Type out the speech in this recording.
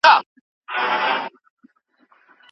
هر نیک کار عبادت دی.